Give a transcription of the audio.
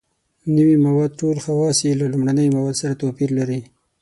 نوي مواد ټول خواص یې له لومړنیو موادو سره توپیر لري.